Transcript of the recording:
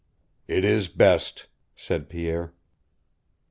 "It is best," said Pierre.